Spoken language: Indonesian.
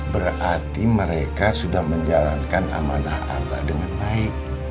berarti mereka sudah menjalankan amanah allah dengan baik